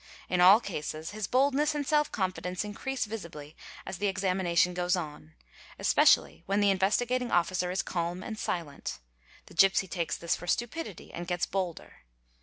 In all cases his boldness and self confidence increase visibly as the examination 'goes on, especially when the Investigating Officer is calm and silent. The gipsy takes this for stupidity and gets bolder.